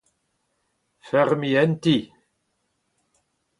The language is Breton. feurmiñ un ti.